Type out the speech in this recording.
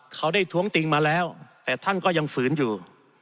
เขาได้ท้วงติงมาแล้วแต่ท่านก็ยังฝืนอยู่